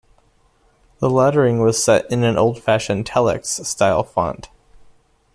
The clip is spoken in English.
The lettering was set in an old fashioned telex-style font.